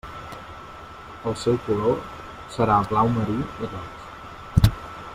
El seu color serà blau marí i roig.